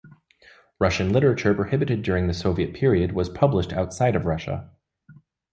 Russian literature prohibited during the Soviet period was published outside of Russia.